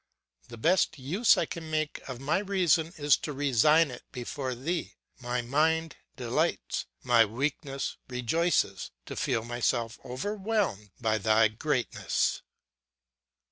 The best use I can make of my reason is to resign it before thee; my mind delights, my weakness rejoices, to feel myself overwhelmed by thy greatness."